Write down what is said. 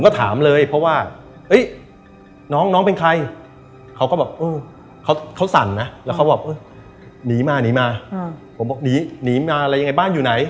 ผมก็ถามเลยเพราะว่าน้องเป็นใครเขาก็แบบเขาสั่นอะถึงนี่มาบ้านอยู่ไหน